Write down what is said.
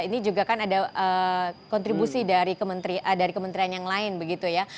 ini juga kan ada kontribusi dari kementerian yang lain begitu ya